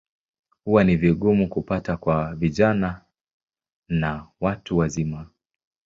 Huwa ni vigumu kupata kwa vijana na watu wazima.